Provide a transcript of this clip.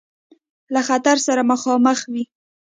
له خطر سره مخامخ وي.